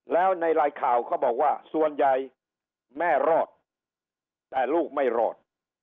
แล้วในรายข่าวเขาบอกว่าส่วนใหญ่แม่รอดแต่ลูกไม่รอด